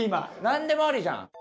何でもありじゃん。